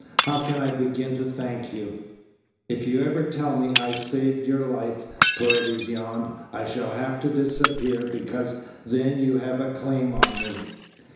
How can I begin to thank you?" "If you ever tell me I saved your life," Paredes yawned, "I shall have to disappear because then you'd have a claim on me."